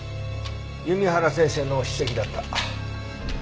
弓原先生の筆跡だった。